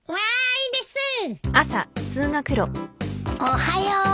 おはよう。